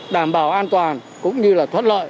đảm bảo an toàn cũng như là thoát lợi